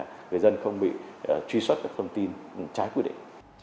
người dân không bị truy xuất các thông tin trái quy định